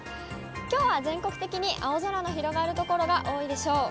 きょうは全国的に青空の広がる所が多いでしょう。